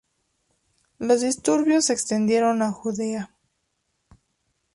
Los disturbios se extendieron a Judea.